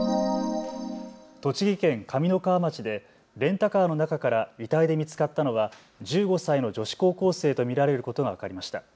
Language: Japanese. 栃木県上三川町でレンタカーの中から遺体で見つかったのは１５歳の女子高校生と見られることが分かりました。